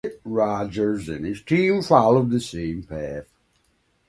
Rogers and his team followed the same path.